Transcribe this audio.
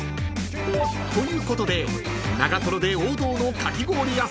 ［ということで長瀞で王道のかき氷屋さん